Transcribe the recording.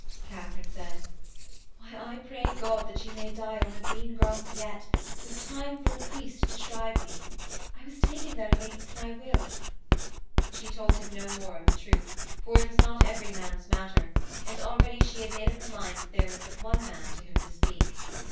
Katharine said: 'Why, I pray God that you may die on the green grass yet, with time for a priest to shrive you. I was taken there against my will.' She told him no more of the truth, for it was not every man's matter, and already she had made up her mind that there was but one man to whom to speak....